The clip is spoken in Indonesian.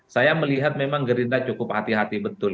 saya melihat memang gerindra cukup hati hati betul